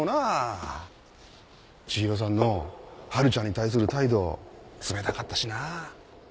千尋さんの波琉ちゃんに対する態度冷たかったしな。